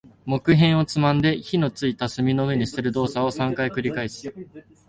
木片をつまんで、火の付いた炭の上に捨てる動作を三回繰り返す。